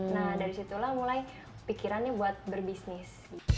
nah dari situlah mulai pikirannya buat berbisnis